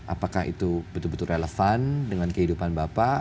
apakah itu betul betul relevan dengan kehidupan bapak